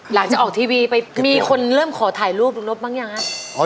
หลังจากออกทีวีไปมีคนเริ่มขอถ่ายรูปลุงนบบ้างยังฮะ